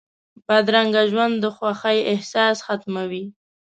بدرنګه ژوند د خوښۍ احساس ختموي